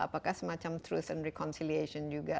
apakah semacam trust and reconciliation juga